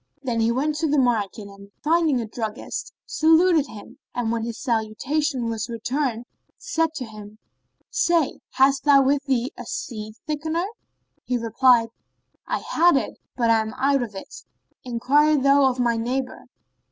Then he went to the market and, finding a druggist, saluted him; and when his salutation was returned said to him, "Say, hast thou with thee a seed thickener?" He replied, "I had it, but am out of it: enquire thou of my neighbour."